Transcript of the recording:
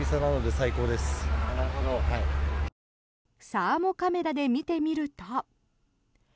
サーモカメラで見てみると。